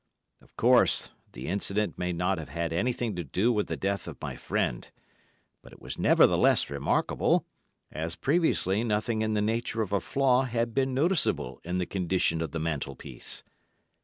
Of course, the incident may not have had anything to do with the death of my friend, but it was nevertheless remarkable, as previously nothing in the nature of a flaw had been noticeable in the condition of the mantel piece.